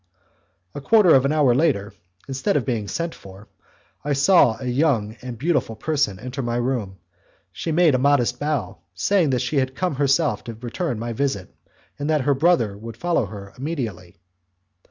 A quarter of an hour after, instead of being sent for, I saw a young and beautiful person enter my room; she made a modest bow, saying that she had come herself to return my visit, and that her brother would follow her immediately.